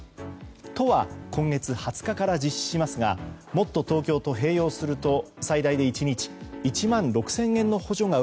都は今月２０日から実施しますがもっとＴｏｋｙｏと併用すると最大で１日１万６０００円の補助が